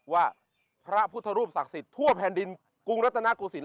ว่าพระพุทธรูปศักดิ์สิตทั่วแผนดินกรุงนัตนากุศิลป์